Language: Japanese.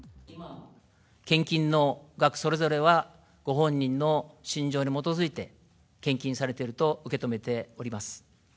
献金の額それぞれは、ご本人の信条に基づいて献金されていると受け止めております。